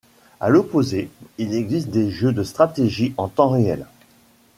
À l'opposé, il existe des jeux de stratégie en temps réel.